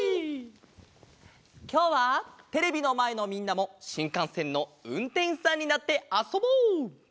きょうはテレビのまえのみんなもしんかんせんのうんてんしさんになってあそぼう！